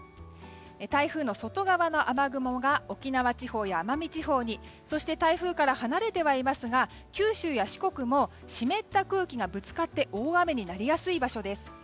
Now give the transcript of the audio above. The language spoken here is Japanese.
台風の外側の雨雲が沖縄地方や奄美地方にそして台風から離れてはいますが九州・四国も湿った空気がぶつかって大雨になりやすい場所です。